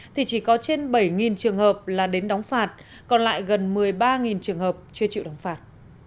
thì chỉ có trên bảy trường hợp là đến đóng phạt còn lại gần một mươi ba trường hợp chưa chịu đóng phạt